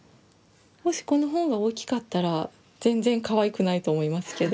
もしこの本が大きかったら全然かわいくないと思いますけど。